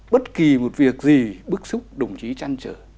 bất kỳ một việc gì bức xúc đồng chí trăn trở